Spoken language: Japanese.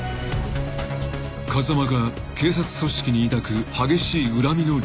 ［風間が警察組織に抱く激しい恨みの理由とは？］